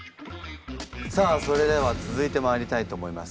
さあそれでは続いてまいりたいと思います。